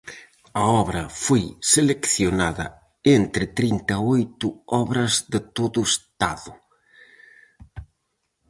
A obra foi seleccionada entre trinta e oito obras de todo o estado.